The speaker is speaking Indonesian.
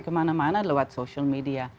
kemana mana lewat social media